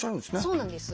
そうなんです。